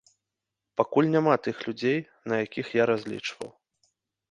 Пакуль няма тых людзей, на якіх я разлічваў.